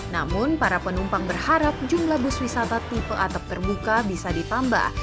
namun para penumpang berharap jumlah bus wisata tipe atap terbuka bisa ditambah